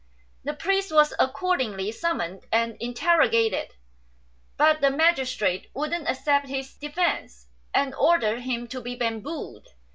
The priest was accordingly summoned and interrogated ; but the magistrate wouldn't accept his defence, and ordered him to be bambooed.